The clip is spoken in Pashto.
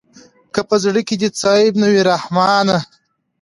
که په زړه کښې دې څه عيب نه وي رحمانه.